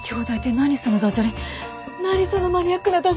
何そのマニアックなダジャレ。